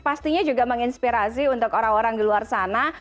pastinya juga menginspirasi untuk orang orang di luar sana